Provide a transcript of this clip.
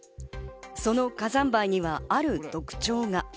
その火山灰には、ある特徴が。